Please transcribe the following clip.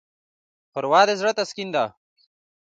ښوروا د زړه تسکین ده.